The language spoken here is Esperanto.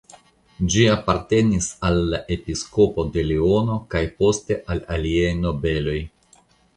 Ĝi apartenis al la episkopo de Leono kaj poste al aliaj nobeloj.